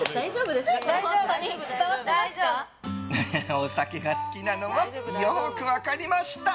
お酒が好きなのはよく分かりました。